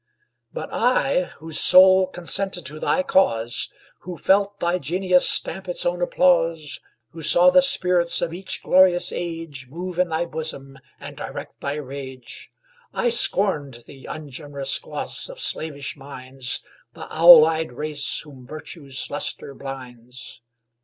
But I, whose soul consented to thy cause, Who felt thy genius stamp its own applause, Who saw the spirits of each glorious age Move in thy bosom, and direct thy rage, I scorned the ungenerous gloss of slavish minds, The owl eyed race, whom Virtue's lustre blinds.